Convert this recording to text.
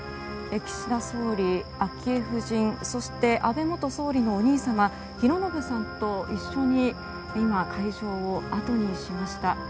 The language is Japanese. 岸田総理、昭恵夫人そして安倍元総理のお兄様寛信さんと一緒に今、会場を後にしました。